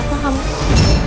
kayaknya dia ngerti